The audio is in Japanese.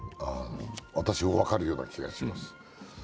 私も分かるような気がします。